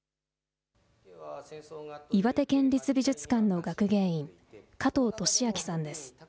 岩手県立美術館の学芸員、加藤俊明さんです。